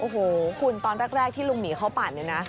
โอ้โหคุณตอนแรกที่ลุงหมีเขาปั่นเนี่ยนะ